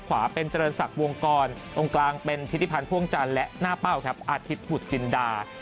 ขวาเป็นเจริญศักดิ์วงกรองค์กลางเป็นทิศิพันธ์พ่วงจันทร์และหน้าเป้าครับอาทิตย์ผุดจินดา